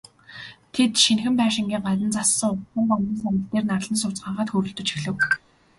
Тэд, шинэхэн байшингийн гадна зассан уртхан бандан сандал дээр нарлан сууцгаагаад хөөрөлдөж эхлэв.